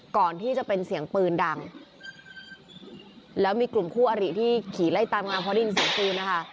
ก่อนที่จะเป็นเสียงปืนดังแล้วมีกลุ่มคู่อริที่ขี่ไล่ตามมาพอได้ยินเสียงปืนนะคะ